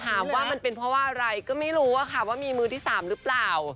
ถามว่ามันเป็นเพราะว่าอะไรก็ไม่รู้อะค่ะว่ามีมือที่๓หรือเปล่า